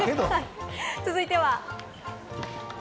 続いては。